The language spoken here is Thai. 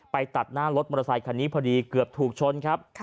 ตัดหน้ารถมอเตอร์ไซคันนี้พอดีเกือบถูกชนครับ